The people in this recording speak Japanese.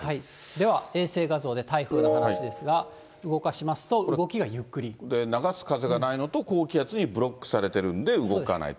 では、衛星画像で台風の話ですが、動かしますと、流す風がないのと、高気圧にブロックされてるんで動かないと。